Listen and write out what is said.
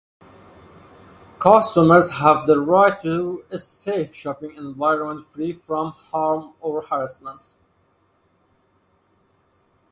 Customers have the right to a safe shopping environment free from harm or harassment.